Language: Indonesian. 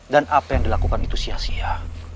dan apa yang dilakukan itu sia sia